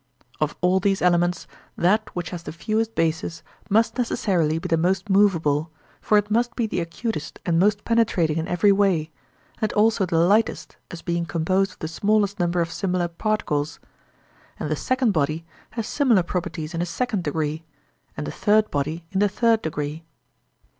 Of all these elements, that which has the fewest bases must necessarily be the most moveable, for it must be the acutest and most penetrating in every way, and also the lightest as being composed of the smallest number of similar particles: and the second body has similar properties in a second degree, and the third body in the third degree.